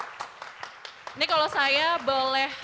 ini kalau saya boleh